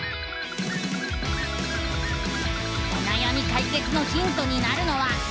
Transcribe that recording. おなやみかいけつのヒントになるのは。